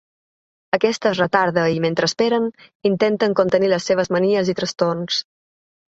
Aquest es retarda i, mentre esperen, intenten contenir les seves manies i trastorns.